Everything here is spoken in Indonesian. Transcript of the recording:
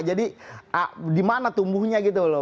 jadi dimana tumbuhnya gitu loh